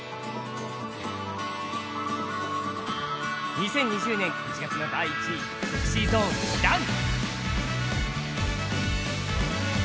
２０２０年８月の第１位、ＳｅｘｙＺｏｎｅ「ＲＵＮ」。